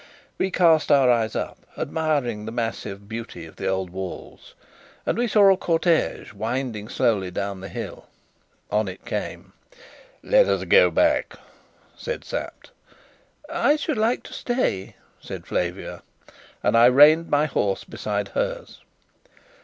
We cast our eyes up, admiring the massive beauty of the old walls, and we saw a cortège winding slowly down the hill. On it came. "Let us go back," said Sapt. "I should like to stay," said Flavia; and I reined my horse beside hers.